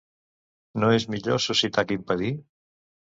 ¿No és millor suscitar que impedir.